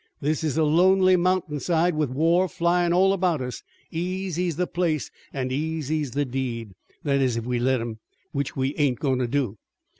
This is a lonely mountain side with war flyin' all about us. Easy's the place an' easy's the deed. That is if we'd let 'em, which we ain't goin' to do."